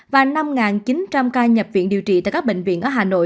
và năm chín trăm linh ca nhập viện điều trị tại các bệnh viện